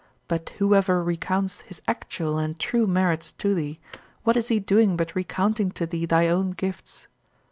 But whoever recounts his actual and true merits to thee, what is he doing but recounting to thee thy own gifts?